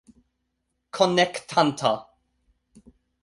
Konektanta